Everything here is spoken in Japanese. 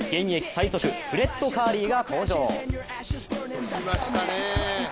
最速フレッド・カーリーが登場。